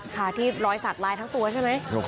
ค่ะที่รอยสักลายทั้งตัวใช่ไหม